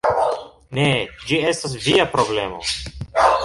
Ne, ĝi estas via problemo